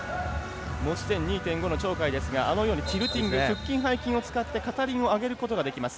持ち点２．５の鳥海ですがあのようにティルティング腹筋、背筋を使って片輪を上げることができます。